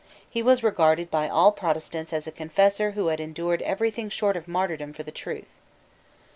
He was regarded by all Protestants as a confessor who had endured every thing short of martyrdom for the truth.